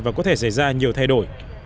và có thể xảy ra nhiều thay đổi